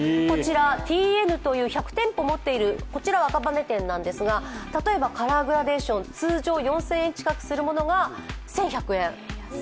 こちらティーエヌという１００店舗持っている、こちらは赤羽店なんですが例えばカラーグラデーション通常４０００円近くするものが１１００円。